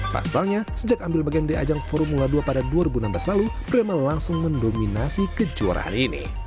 pasalnya sejak ambil bagian dari ajang formula dua pada dua ribu enam belas lalu prema langsung mendominasi kejuaraan ini